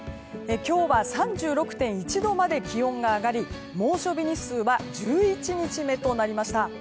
今日は３６．１度まで気温が上がり猛暑日日数は１１日目となりました。